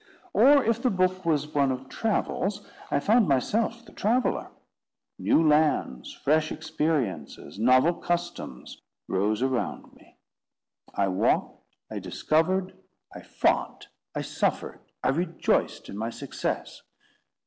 Or if the book was one of travels, I found myself the traveller. New lands, fresh experiences, novel customs, rose around me. I walked, I discovered, I fought, I suffered, I rejoiced in my success.